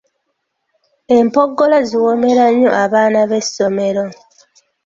Empogola ziwoomera nnyo abaana b'essomero.